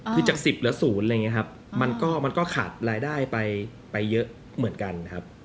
คือจากสิบเหลือศูนย์มันก็ขาดรายได้ไปเยอะเหมือนกันครับ